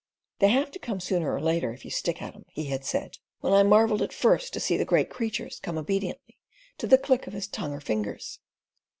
"They have to come sooner or later if you stick at 'em," he had said, when I marvelled at first to see the great creatures come obediently to the click of his tongue or fingers.